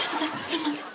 すいません。